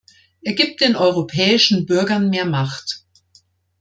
Er gibt den europäischen Bürgern mehr Macht.